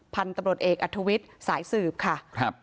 พันธุ์ตำรวจเอกอัธวิชสายสืบค่ะ